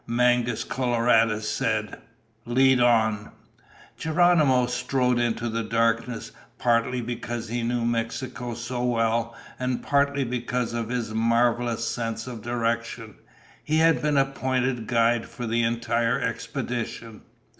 Mangus Coloradus said, "Lead on." Geronimo strode into the darkness. Partly because he knew Mexico so well, and partly because of his marvelous sense of direction, he had been appointed guide for the entire expedition.